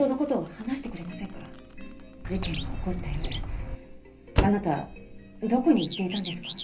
事件の起こった夜あなたどこに行っていたんですか？